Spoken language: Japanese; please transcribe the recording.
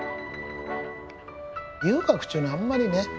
遊郭っちゅうのはあんまりね